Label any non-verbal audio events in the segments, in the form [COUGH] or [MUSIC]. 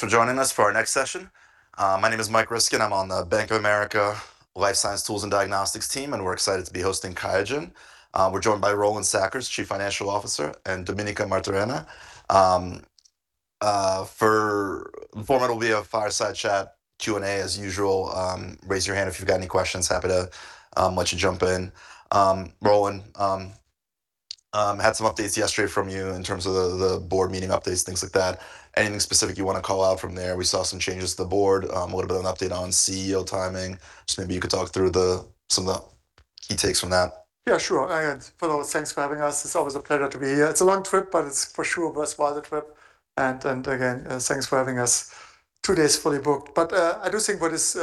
Thanks for joining us for our next session. My name is Mike Ryskin. I'm on the Bank of America Life Science Tools and Diagnostics team. We're excited to be hosting QIAGEN. We're joined by Roland Sackers, Chief Financial Officer, and Domenica Martorana. The format will be a fireside chat Q&A as usual. Raise your hand if you've got any questions. Happy to let you jump in. Roland, had some updates yesterday from you in terms of the board meeting updates, things like that. Anything specific you want to call out from there? We saw some changes to the board, a little bit of an update on CEO timing. Maybe you could talk through some of the key takes from that. Yeah, sure. First of all thanks for having us. It's always a pleasure to be here. It's a long trip, but it's for sure worthwhile the trip. Again, thanks for having us. Two days fully booked. I do think what is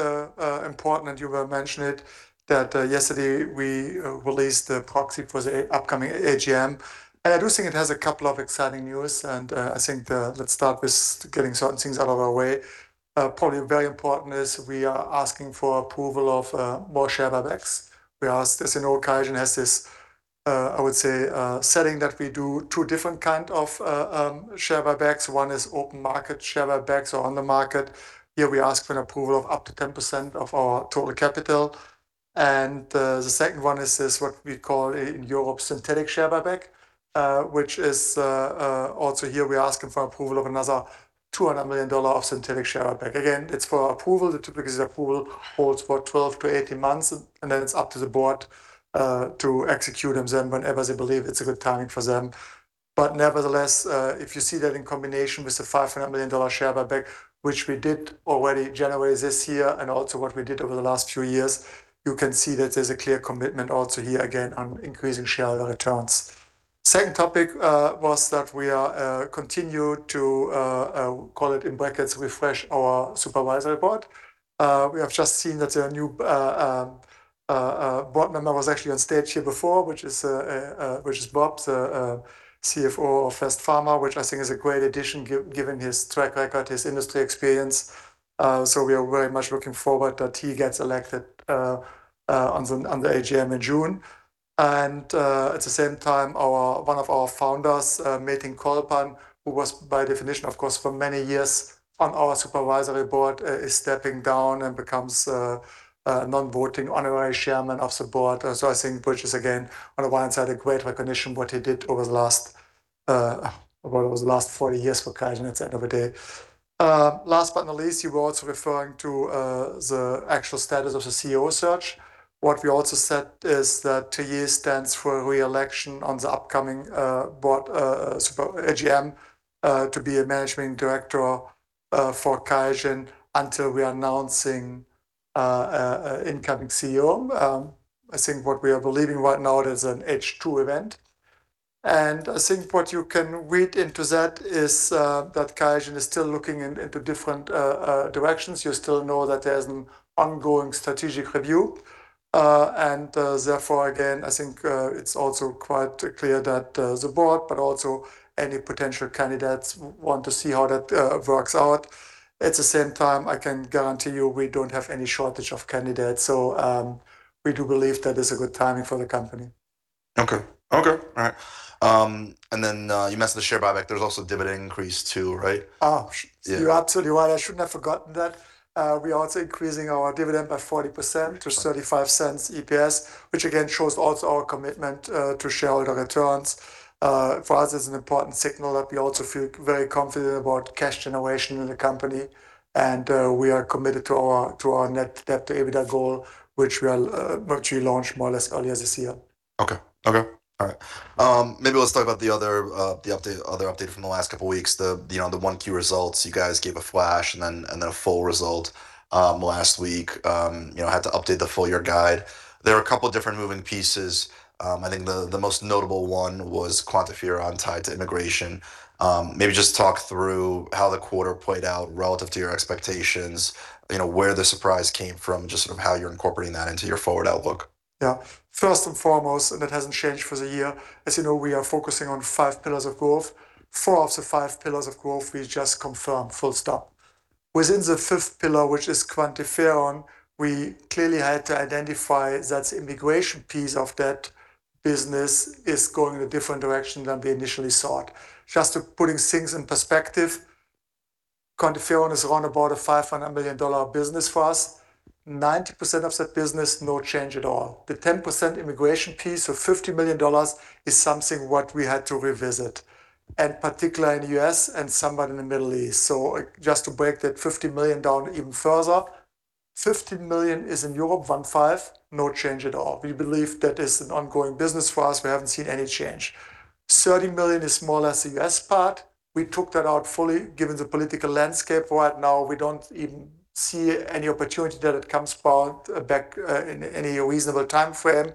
important, and you were mentioning it, that yesterday we released the proxy for the upcoming AGM. I do think it has a couple of exciting news and I think let's start with getting certain things out of our way. Probably very important is we are asking for approval of more share buybacks. We asked, as you know, QIAGEN has this, I would say, setting that we do two different kind of share buybacks. One is open market share buybacks or on the market. Here, we ask for an approval of up to 10% of our total capital. The second one is this, what we call in Europe, synthetic share buyback, which is also here we're asking for approval of another $200 million of synthetic share buyback. Again, it's for approval. The typical approval holds for 12-18 months, then it's up to the board to execute them then whenever they believe it's a good timing for them. Nevertheless, if you see that in combination with the $500 million share buyback, which we did already January this year, and also what we did over the last few years, you can see that there's a clear commitment also here again on increasing shareholder returns. Second topic was that we continue to call it in brackets, refresh our Supervisory Board. We have just seen that a new board member was actually on stage here before, which is Bob, the CFO of West Pharma, which I think is a great addition given his track record, his industry experience. We are very much looking forward that he gets elected on the AGM in June. At the same time, one of our founders, Metin Colpan, who was by definition, of course, for many years on our Supervisory Board, is stepping down and becomes a non-voting honorary Chairman of the Board. I think which is again, on the one side, a great recognition what he did over the last, what was the last 40 years for QIAGEN at the end of the day. Last but not least, you were also referring to the actual status of the CEO search. What we also said is that Thierry stands for re-election on the upcoming board AGM to be a managing director for QIAGEN until we are announcing an incoming CEO. I think what we are believing right now it is an H2 event. I think what you can read into that is that QIAGEN is still looking into different directions. You still know that there's an ongoing strategic review. Therefore, again, I think, it's also quite clear that the board, but also any potential candidates want to see how that works out. At the same time, I can guarantee you we don't have any shortage of candidates. We do believe that is a good timing for the company. Okay. Okay, all right. You mentioned the share buyback. There's also a dividend increase too, right? Oh. Yeah. You're absolutely right. I shouldn't have forgotten that. We are also increasing our dividend by 40% to $0.35 EPS, which again shows also our commitment to shareholder returns. For us, it's an important signal that we also feel very confident about cash generation in the company, and we are committed to our net debt to EBITDA goal, which we are virtually launched more or less earlier this year. Okay. Okay. All right. maybe let's talk about the other, the update, other update from the last couple of weeks. The, you know, the 1Q results you guys gave a flash and then, and then a full result, last week. you know, had to update the full year guide. There are a couple of different moving pieces. I think the most notable one was QuantiFERON tied to immigration. maybe just talk through how the quarter played out relative to your expectations, you know, where the surprise came from, just sort of how you're incorporating that into your forward outlook? First and foremost, and that hasn't changed for the year, as you know, we are focusing on five pillars of growth. Four of the five pillars of growth we just confirmed, full stop. Within the fifth pillar, which is QuantiFERON, we clearly had to identify that immigration piece of that business is going in a different direction than we initially thought. Just putting things in perspective, QuantiFERON is around about a $500 million business for us. 90% of that business, no change at all. The 10% immigration piece of $50 million is something what we had to revisit, and particularly in U.S. and somewhat in the Middle East. Just to break that $50 million down even further, $50 million is in Europe, $1.5 million, no change at all. We believe that is an ongoing business for us. We haven't seen any change. $30 million is more or less the U.S. part. We took that out fully. Given the political landscape right now, we don't even see any opportunity that it comes about back in any reasonable timeframe.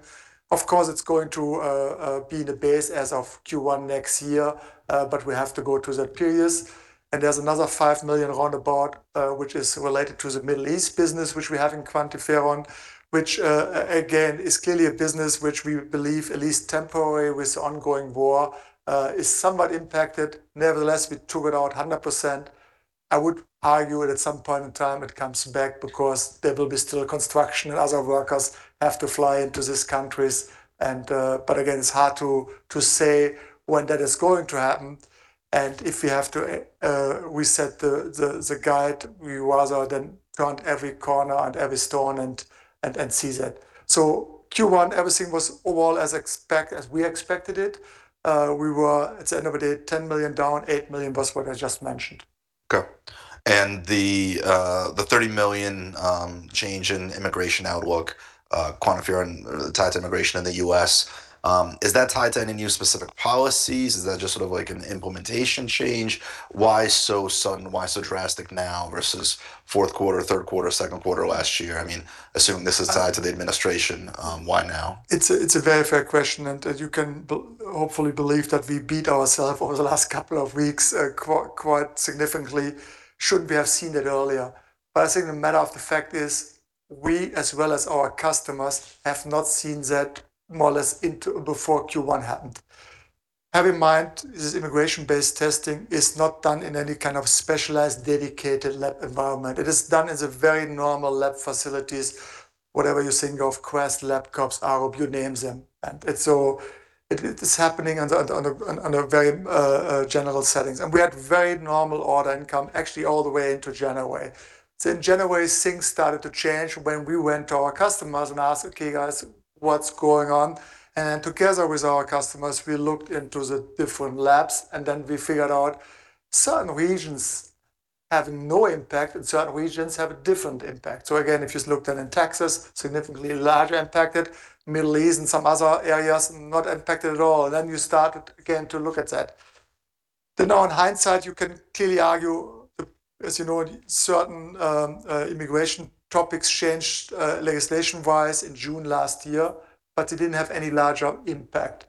Of course, it's going to be the base as of Q1 next year, but we have to go through the periods. There's another $5 million around about, which is related to the Middle East business, which we have in QuantiFERON, which again, is clearly a business which we believe, at least temporary with the ongoing war, is somewhat impacted. Nevertheless, we took it out 100%. I would argue at some point in time it comes back because there will be still construction and other workers have to fly into these countries. Again, it's hard to say when that is going to happen and if we have to reset the guide, we rather turn every corner and every stone and see that. Q1, everything was overall as we expected it. We were, at the end of the day, $10 million down, $8 million was what I just mentioned. Okay. The $30 million change in immigration outlook, QuantiFERON tied to immigration in the U.S., is that tied to any new specific policies? Is that just sort of like an implementation change? Why so sudden? Why so drastic now versus fourth quarter, third quarter, second quarter last year? Assuming this is tied to the administration, why now? It's a very fair question, and as you can hopefully believe that we beat ourselves over the last couple of weeks, quite significantly. Should we have seen it earlier? I think the matter of fact is we, as well as our customers have not seen that more or less before Q1 happened. Have in mind, this immigration-based testing is not done in any kind of specialized dedicated lab environment. It is done as a very normal lab facilities, whatever you think of, Quest, LabCorp, you name them. It's happening on a very general settings. We had very normal order income actually all the way into January. In January, things started to change when we went to our customers and asked, "Okay, guys, what's going on?" Together with our customers, we looked into the different labs, and then we figured out certain regions have no impact, and certain regions have a different impact. Again, if you looked at in Texas, significantly larger impacted. Middle East and some other areas, not impacted at all. You started again to look at that. Now in hindsight, you can clearly argue, as you know, certain immigration topics changed, legislation-wise in June last year, but it didn't have any larger impact.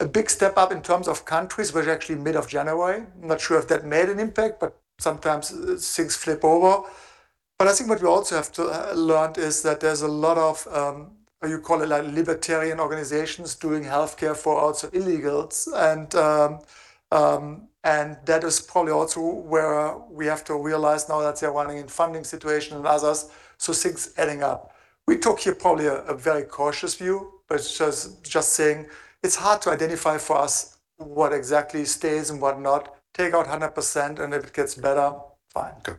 A big step up in terms of countries was actually mid of January. Not sure if that made an impact, but sometimes things flip over. I think what we also have to learned is that there's a lot of, you call it like libertarian organizations doing healthcare for also illegals. That is probably also where we have to realize now that they're running in funding situation and others, so things adding up. We took here probably a very cautious view, it's just saying it's hard to identify for us what exactly stays and what not. Take out 100%, if it gets better, fine. Okay.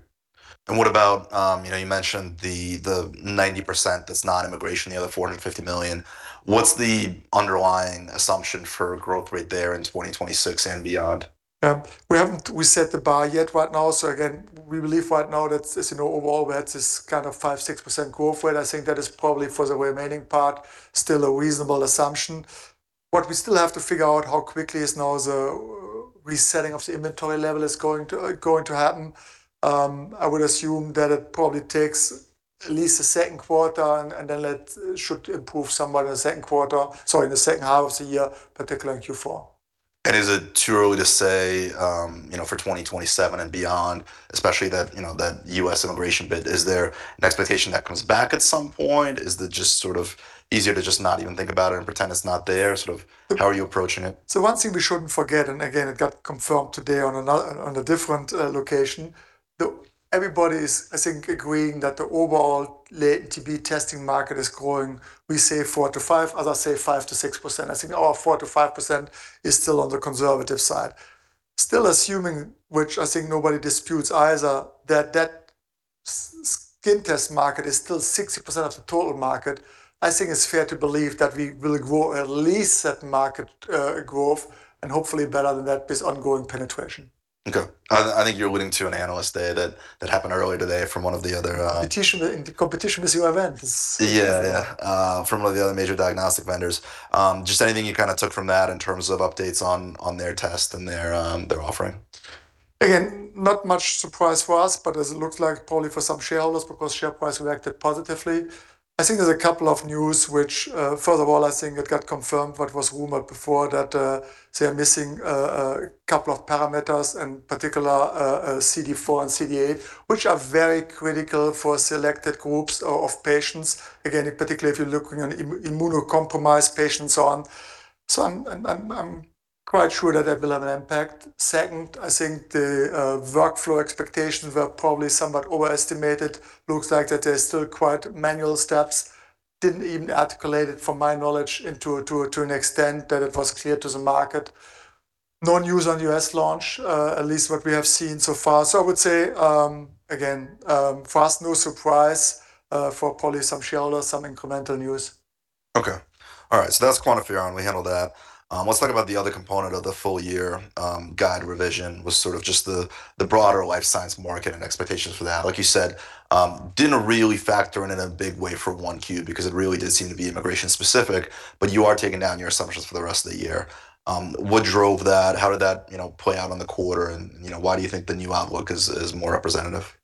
What about, you know, you mentioned the 90% that's non-immigration, the other $450 million. What's the underlying assumption for growth rate there in 2026 and beyond? We haven't reset the bar yet right now. We believe right now that as you know overall we had this kind of 5%, 6% growth rate. I think that is probably for the remaining part still a reasonable assumption. What we still have to figure out how quickly is now the resetting of the inventory level is going to happen. I would assume that it probably takes at least the second quarter, and then that should improve somewhat in the second quarter, sorry, in the second half of the year, particularly in Q4. Is it too early to say, you know, for 2027 and beyond, especially that, you know, that U.S. immigration bit, is there an expectation that comes back at some point? Is that just sort of easier to just not even think about it and pretend it's not there, sort of how are you approaching it? One thing we shouldn't forget, and again, it got confirmed today on a different location, everybody's, I think, agreeing that the overall latent TB testing market is growing. We say 4%-5%, others say 5%-6%. I think our 4%-5% is still on the conservative side. Still assuming, which I think nobody disputes either, that that skin test market is still 60% of the total market. I think it's fair to believe that we will grow at least that market growth, and hopefully better than that with ongoing penetration. Okay. I think you're alluding to an analyst day that happened earlier today from one of the other. Competition, competition is your event. Yeah, yeah. From one of the other major diagnostic vendors. Just anything you kind of took from that in terms of updates on their test and their offering? Not much surprise for us, but as it looks like probably for some shareholders because share price reacted positively. I think there's a couple of news which, first of all, I think it got confirmed what was rumored before that they are missing a couple of parameters, in particular, CD4 and CD8, which are very critical for selected groups of patients. Particularly if you're looking at immunocompromised patients on. I'm quite sure that that will have an impact. Second, I think the workflow expectations were probably somewhat overestimated. Looks like that there's still quite manual steps. Didn't even articulate it from my knowledge into to an extent that it was clear to the market. No news on U.S. launch, at least what we have seen so far. I would say, again, for us, no surprise. For probably some shareholders, some incremental news. Okay. All right. That's QuantiFERON. We handled that. Let's talk about the other component of the full year guide revision with sort of just the broader life science market and expectations for that. Like you said, didn't really factor in a big way for 1Q because it really did seem to be immigration specific, but you are taking down your assumptions for the rest of the year. What drove that? How did that, you know, play out on the quarter? You know, why do you think the new outlook is more representative?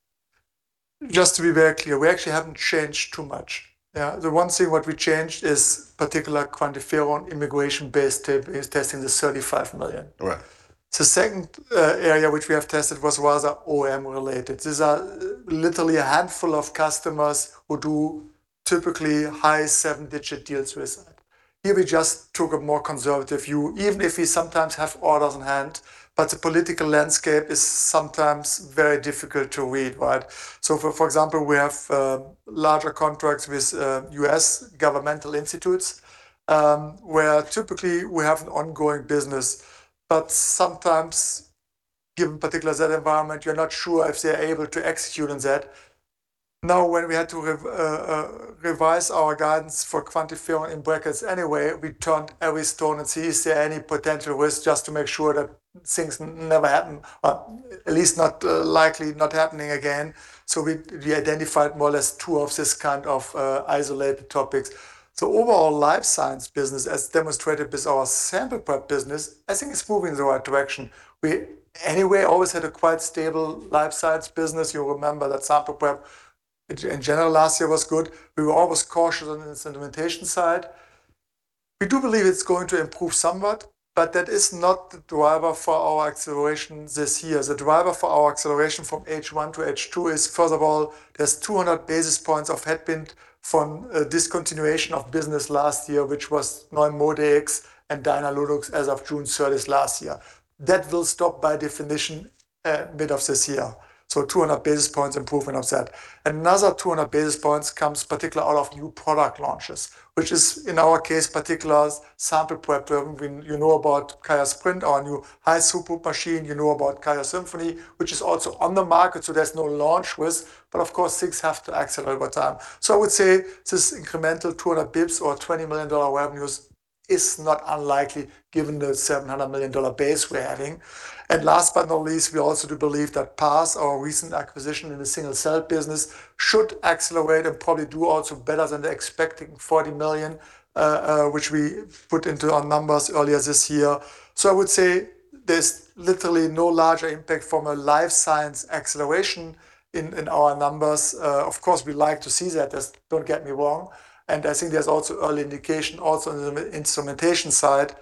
Just to be very clear, we actually haven't changed too much. Yeah. The one thing what we changed is particular QuantiFERON immigration-based TB's testing the $35 million. Right. The second area which we have tested was rather OEM related. These are literally a handful of customers who do typically high seven digit deals with us. Here we just took a more conservative view, even if we sometimes have orders on hand, but the political landscape is sometimes very difficult to read, right? For example, we have larger contracts with U.S. governmental institutes where typically we have an ongoing business. Sometimes, given particular that environment, you're not sure if they're able to execute on that. Now, when we had to revise our guidance for QuantiFERON in brackets anyway, we turned every stone and see, is there any potential risk just to make sure that things never happen, or at least not likely not happening again. We identified more or less two of this kind of isolated topics. Overall life science business, as demonstrated with our sample prep business, I think it's moving in the right direction. We anyway always had a quite stable life science business. You'll remember that sample prep in general, last year was good. We were always cautious on the instrumentation side. We do believe it's going to improve somewhat, but that is not the driver for our acceleration this year. The driver for our acceleration from H1 to H2 is, first of all, there's 200 basis points of headwind from discontinuation of business last year, which was NeuMoDx and DIALUNOX as of June 30th last year. That will stop by definition at mid of this year, so 200 basis points improvement of that. Another 200 basis points comes particular out of new product launches, which is, in our case, particulars sample prep. You know about QIAsprint, our new high throughput machine. You know about QIAsymphony, which is also on the market, there's no launch risk. Of course, things have to accelerate over time. I would say this incremental 200 BPS or $20 million revenues is not unlikely given the $700 million base we're having. Last but not least, we also do believe that Parse, our recent acquisition in the single cell business, should accelerate and probably do also better than the expecting $40 million which we put into our numbers earlier this year. I would say there's literally no larger impact from a life science acceleration in our numbers. Of course, we like to see that. Just don't get me wrong. I think there's also early indication also in the instrumentation side,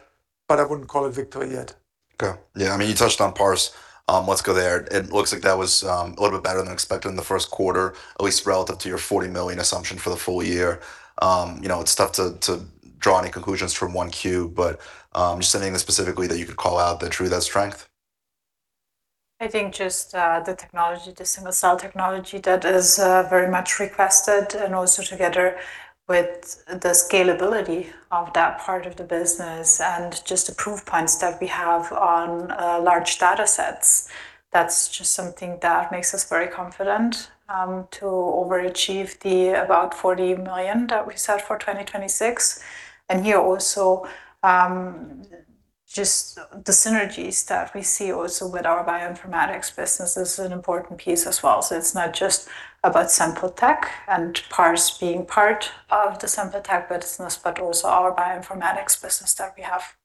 but I wouldn't call it victory yet. Okay. Yeah, I mean, you touched on Parse. Let's go there. It looks like that was a little bit better than expected in the first quarter, at least relative to your $40 million assumption for the full year. You know, it's tough to draw any conclusions from 1Q, but just anything specifically that you could call out that drove that strength? I think just the technology, the single cell technology that is very much requested, and also together with the scalability of that part of the business and just the proof points that we have on large data sets. That's just something that makes us very confident to overachieve the about $40 million that we set for 2026. Here also, just the synergies that we see also with our bioinformatics business is an important piece as well. It's not just about sample tech and Parse being part of the sample tech business, but also our bioinformatics business that we have.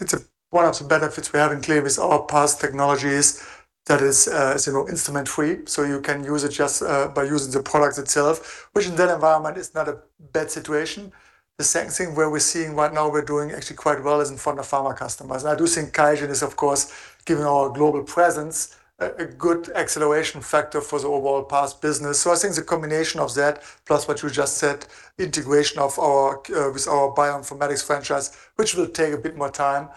It's one of the benefits we have in clear with our Parse technologies that is, you know, instrument-free, so you can use it just by using the product itself, which in that environment is not a bad situation. The second thing where we're seeing right now we're doing actually quite well is in front of pharma customers. I do think QIAGEN is of course, given our global presence, a good acceleration factor for the overall Parse business. I think the combination of that plus what you just said, integration of our with our bioinformatics franchise, which will take a bit more time,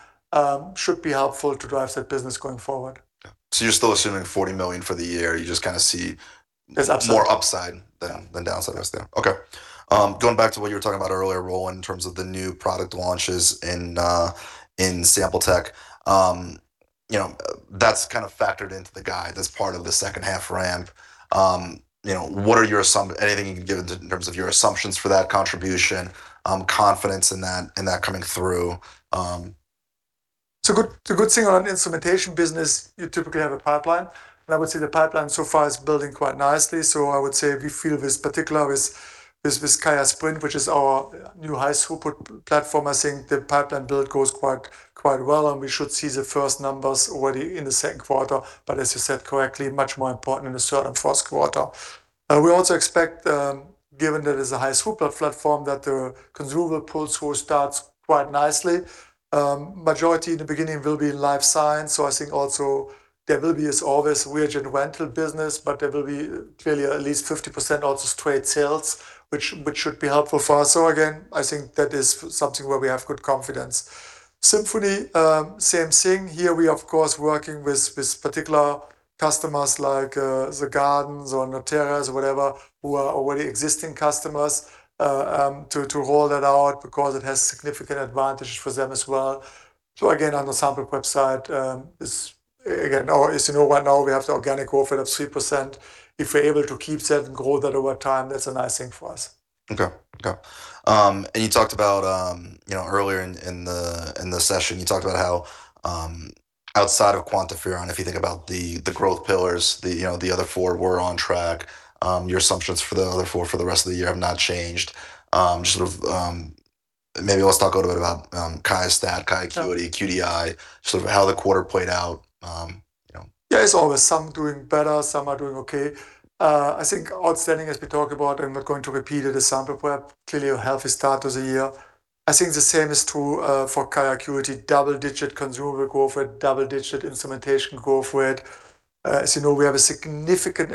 should be helpful to drive that business going forward. Okay. You're still assuming $40 million for the year. You just kind of see. There's upside. More upside than downside, I guess there. Okay. Going back to what you were talking about earlier, Roland, in terms of the new product launches in sample tech, you know, that's kind of factored into the guide. That's part of the second half ramp. You know, what are your assumptions? Anything you can give in terms of your assumptions for that contribution, then confidence in that coming through? It's a good thing on instrumentation business. You typically have a pipeline, and I would say the pipeline so far is building quite nicely. I would say we feel this particular with QIAsprint, which is our new high throughput platform. I think the pipeline build goes quite well, and we should see the first numbers already in the second quarter. As you said correctly, much more important in the third and first quarter. We also expect, given that it's the highest throughput platform, that the consumable pull through starts quite nicely. Majority in the beginning will be life science, I think also there will be, as always, reagent rental business, but there will be clearly at least 50% also straight sales, which should be helpful for us. Again, I think that is something where we have good confidence. Symphony, same thing. Here we of course working with particular customers like Guardant or Natera or whatever, who are already existing customers to roll that out because it has significant advantage for them as well. Again, on the sample prep side is again, or as you know, right now we have the organic growth rate of 3%. If we're able to keep certain growth at over time, that's a nice thing for us. Okay. Okay. You talked about, you know, earlier in the, in the session, you talked about how, outside of QuantiFERON, if you think about the growth pillars, the, you know, the other four were on track. Your assumptions for the other four for the rest of the year have not changed. Sort of, maybe let's talk a little bit about QIAstat-Dx, QIAcuity, QDI, sort of how the quarter played out, you know. It's always some doing better, some are doing okay. I think outstanding as we talk about, I'm not going to repeat it, the sample prep, clearly a healthy start to the year. I think the same is true for QIAcuity. Double-digit consumable growth rate, double-digit instrumentation growth rate. As you know, we have a significant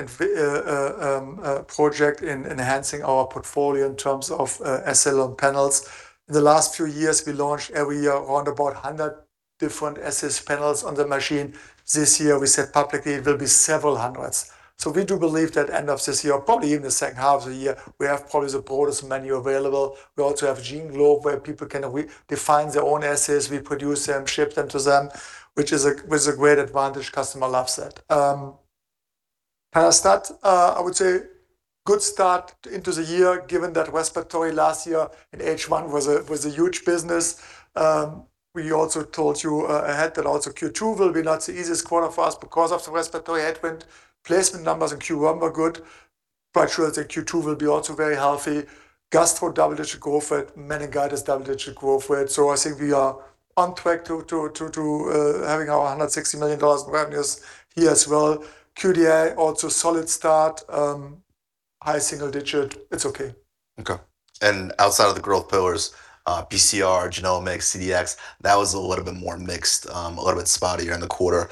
project in enhancing our portfolio in terms of assay and panels. In the last few years, we launched every year around about 100 different assay panels on the machine. This year, we said publicly it will be several hundreds. We do believe that end of this year, probably even the second half of the year, we have probably the broadest menu available. We also have GeneGlobe, where people can redefine their own assays. We produce them, ship them to them, which was a great advantage. Customer loves that. QIAstat, I would say good start into the year, given that respiratory last year in H1 was a huge business. We also told you ahead that also Q2 will be not the easiest quarter for us because of the respiratory headwind. Placement numbers in Q1 were good. Quite sure that Q2 will be also very healthy. Gast for double-digit growth rate, meningitis double-digit growth rate. I think we are on track to having our $160 million in revenues here as well. QDI also solid start. High single-digit. It's okay. Okay. Outside of the growth pillars, PCR, Genomics, CDx, that was a little bit more mixed, a little bit spotty here in the quarter.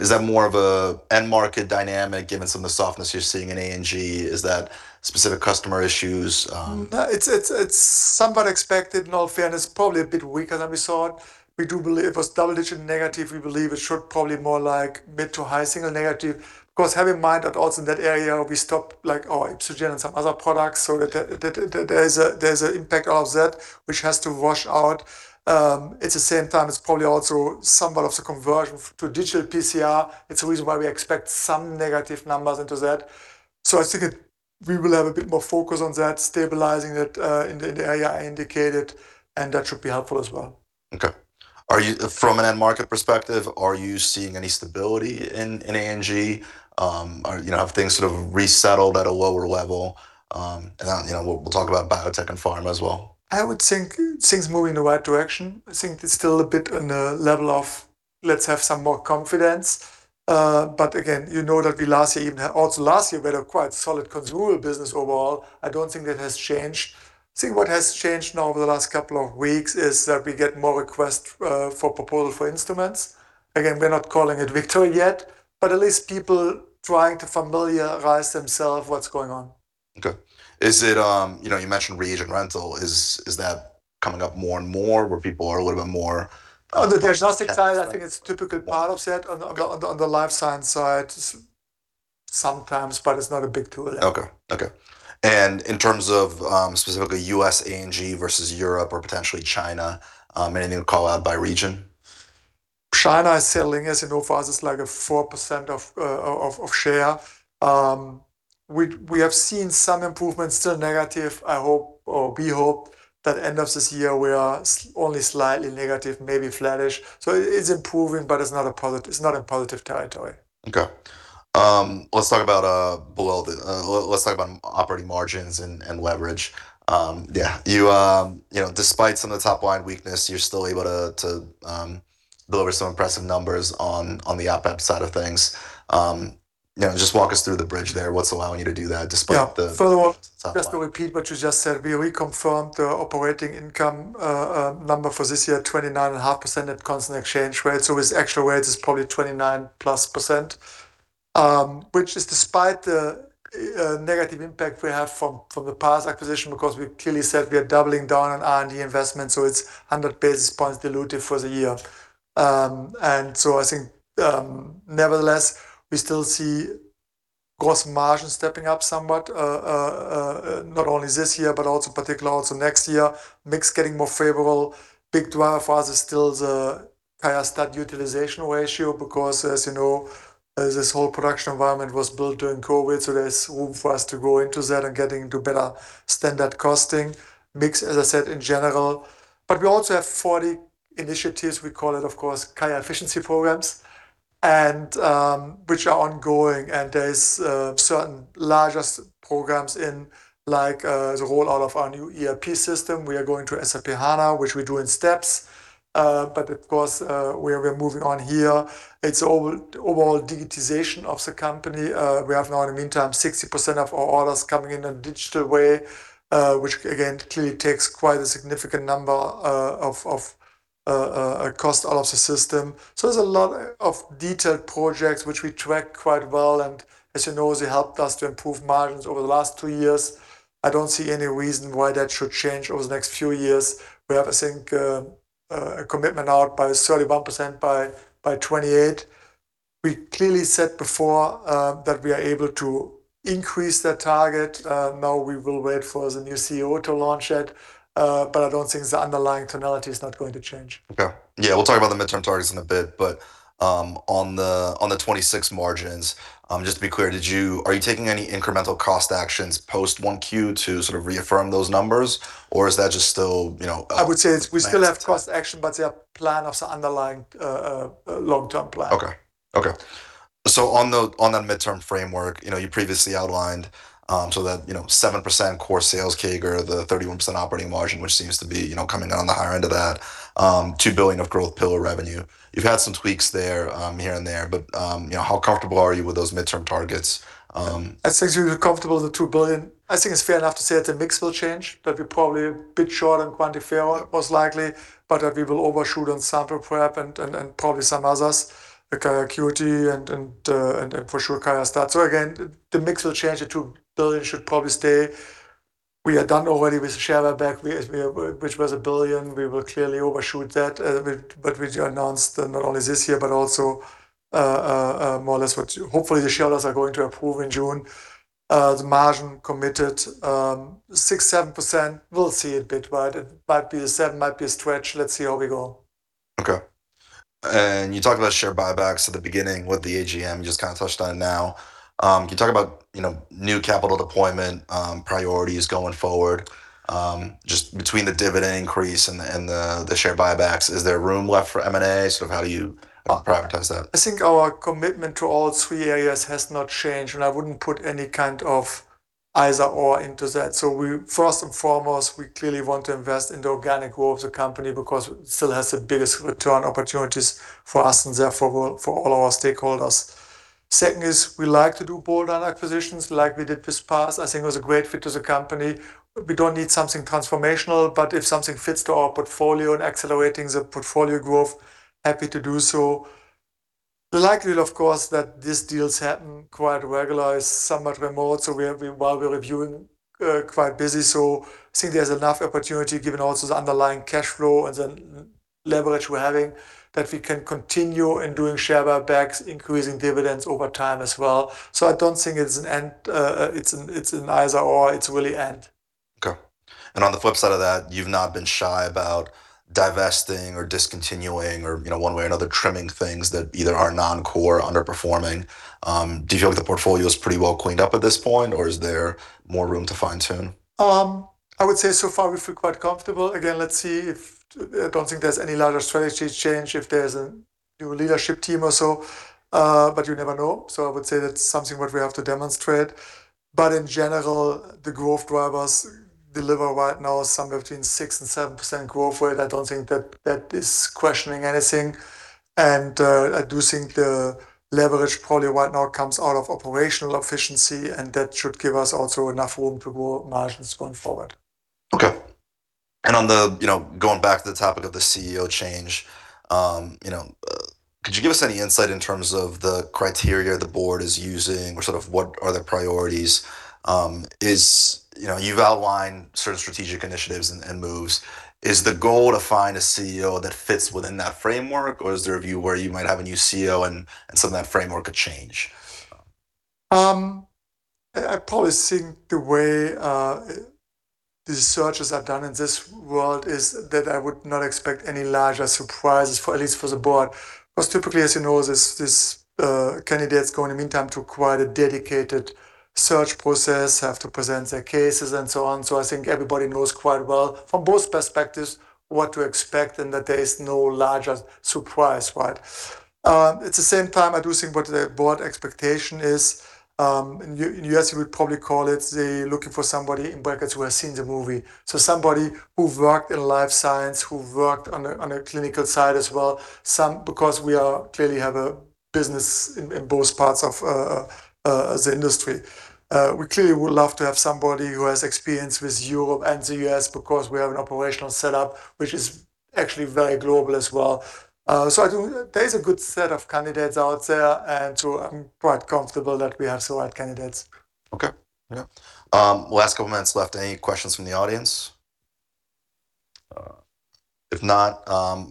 Is that more of an end market dynamic given some of the softness you are seeing in ANG? Is that specific customer issues? No, it's, it's somewhat expected in all fairness, probably a bit weaker than we thought. We do believe it was double-digit negative. We believe it should probably more like mid to high single negative. Of course, have in mind that also in that area, we stopped like our ipsogen and some other products, so that there is a impact out of that which has to wash out. At the same time, it's probably also somewhat of the conversion to digital PCR. It's the reason why we expect some negative numbers into that. I think we will have a bit more focus on that, stabilizing it in the area I indicated, and that should be helpful as well. Okay. From an end market perspective, are you seeing any stability in ANG? Are, you know, have things sort of resettled at a lower level? You know, we'll talk about biotech and pharma as well. I would think things moving in the right direction. I think it's still a bit on a level of let's have some more confidence. Again, you know that we last year, also last year we had a quite solid consumable business overall. I don't think that has changed. I think what has changed now over the last couple of weeks is that we get more requests for proposal for instruments. Again, we're not calling it victory yet, but at least people trying to familiarize themselves what's going on. Okay. Is it, you know, you mentioned reagent rental. Is that coming up more and more? On the diagnostic side. I think it's typical part of that. Okay On the life science side, sometimes, but it's not a big tool yet. Okay, okay. In terms of specifically U.S. ANG versus Europe or potentially China, anything to call out by region? China is selling, as you know, for us, it's like 4% of share. We have seen some improvements, still negative. I hope or we hope that end of this year we are only slightly negative, maybe flattish. It's improving, but it's not a positive, it's not in positive territory. Okay. Let's talk about below the let's talk about operating margins and leverage. Yeah, you know, despite some of the top line weakness, you're still able to deliver some impressive numbers on the OpEx side of things. You know, just walk us through the bridge there. What's allowing you to do that despite the. Yeah [CROSSTALK] Furthermore, just to repeat what you just said, we reconfirmed the operating income number for this year, 29.5% at constant exchange rate. With actual rates, it's probably 29%+. Which is despite the negative impact we have from the Parse acquisition because we clearly said we are doubling down on R&D investment. It's 100 basis points dilutive for the year. Nevertheless, we still see gross margin stepping up somewhat, not only this year, but also particularly also next year. Mix getting more favorable. Big driver for us is still the QIAstat utilization ratio because, as you know, this whole production environment was built during COVID. There's room for us to grow into that and getting to better standard costing. Mix, as I said, in general. We also have 40 initiatives, we call it, of course, QIAefficiency programs, which are ongoing. There's certain largest programs in like the roll out of our new ERP system. We are going to SAP S/4HANA, which we do in steps. Of course, we are moving on here. It's overall digitization of the company. We have now in the meantime 60% of our orders coming in a digital way, which again, clearly takes quite a significant number of cost out of the system. There's a lot of detailed projects which we track quite well. As you know, they helped us to improve margins over the last two years. I don't see any reason why that should change over the next few years. We have, I think, a commitment out by 31% by 2028. We clearly said before that we are able to increase that target. Now we will wait for the new CEO to launch it. I don't think the underlying tonality is not going to change. Okay. Yeah, we'll talk about the midterm targets in a bit. On the 2026 margins, just to be clear, are you taking any incremental cost actions post 1Q to sort of reaffirm those numbers? Or is that just still, you know. I would say. Plan? We still have cost action, but they are plan of the underlying long-term plan. Okay. Okay. On the, on that midterm framework, you know, you previously outlined, so that, you know, 7% core sales CAGR, the 31% operating margin, which seems to be, you know, coming in on the higher end of that, $2 billion of growth pillar revenue. You've had some tweaks there, here and there, you know, how comfortable are you with those midterm targets? I think we're comfortable with the $2 billion. I think it's fair enough to say that the mix will change, that we're probably a bit short on QuantiFERON, most likely, but that we will overshoot on sample prep and probably some others, like QIAcuity and for sure QIAstat-Dx. Again, the mix will change. The $2 billion should probably stay. We are done already with the share buyback. We, which was a billion. We will clearly overshoot that. We do announce that not only this year, but also more or less what hopefully the shareholders are going to approve in June. The margin committed, 6%, 7%. We'll see a bit, it might be 7% might be a stretch. Let's see how we go. Okay. You talked about share buybacks at the beginning with the AGM. You just kind of touched on it now. Can you talk about, you know, new capital deployment, priorities going forward? Just between the dividend increase and the share buybacks, is there room left for M&A? Sort of how do you prioritize that? I think our commitment to all three areas has not changed, and I wouldn't put any kind of either/or into that. First and foremost, we clearly want to invest in the organic growth of the company because it still has the biggest return opportunities for us and therefore for all our stakeholders. Second is we like to do bolt-on acquisitions like we did this past. I think it was a great fit to the company. We don't need something transformational, but if something fits to our portfolio and accelerating the portfolio growth, happy to do so. The likelihood, of course, that these deals happen quite regular is somewhat remote. I think there's enough opportunity given also the underlying cash flow and the leverage we're having, that we can continue in doing share buybacks, increasing dividends over time as well. I don't think it's an either/or. It's really and. Okay. On the flip side of that, you've not been shy about divesting or discontinuing or, you know, one way or another trimming things that either are non-core, underperforming. Do you feel like the portfolio is pretty well cleaned up at this point, or is there more room to fine-tune? I would say so far we feel quite comfortable. Again, let's see if I don't think there's any larger strategy change if there's a new leadership team or so. You never know. I would say that's something what we have to demonstrate. In general, the growth drivers deliver right now somewhere between 6% and 7% growth rate. I don't think that that is questioning anything. I do think the leverage probably right now comes out of operational efficiency, and that should give us also enough room to grow margins going forward. Okay. On the, you know, going back to the topic of the CEO change, you know, could you give us any insight in terms of the criteria the board is using or sort of what are their priorities? You know, you've outlined sort of strategic initiatives and moves. Is the goal to find a CEO that fits within that framework, or is there a view where you might have a new CEO and some of that framework could change? I probably think the way the searches are done in this world is that I would not expect any larger surprises for, at least for the board. Typically, as you know, these candidates go in the meantime through quite a dedicated search process, have to present their cases, and so on. I think everybody knows quite well from both perspectives what to expect and that there is no larger surprise. Right? At the same time, I do think what the board expectation is, in U.S. we probably call it the looking for somebody in brackets who have seen the movie. Somebody who's worked in life science, who worked on a clinical side as well, some because we are clearly have a business in both parts of the industry. We clearly would love to have somebody who has experience with Europe and the U.S. because we have an operational setup, which is actually very global as well. There is a good set of candidates out there, and I'm quite comfortable that we have the right candidates. Okay. Yeah. Last couple minutes left. Any questions from the audience? If not,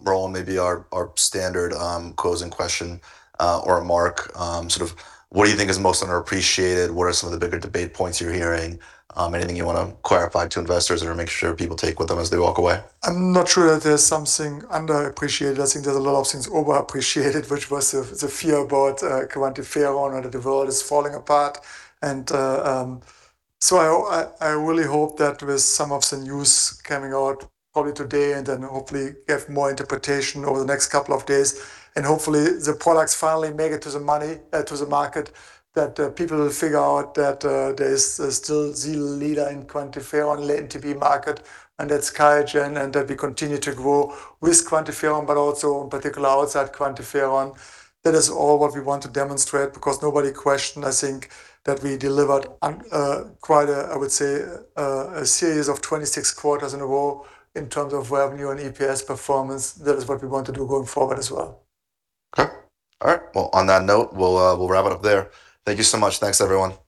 Roland, maybe our standard closing question, or mark, sort of what do you think is most underappreciated? What are some of the bigger debate points you're hearing? Anything you wanna clarify to investors or make sure people take with them as they walk away? I'm not sure that there's something underappreciated. I think there's a lot of things overappreciated, which was the fear about QuantiFERON, whether the world is falling apart. I really hope that with some of the news coming out probably today and then hopefully get more interpretation over the next couple of days, and hopefully the products finally make it to the market, that people will figure out that there is still the leader in QuantiFERON, latent TB market, and that's QIAGEN, and that we continue to grow with QuantiFERON, but also in particular outside QuantiFERON. That is all what we want to demonstrate because nobody questioned, I think, that we delivered quite a, I would say, a series of 26 quarters in a row in terms of revenue and EPS performance. That is what we want to do going forward as well. Okay. All right. On that note, we'll wrap it up there. Thank you so much. Thanks, everyone.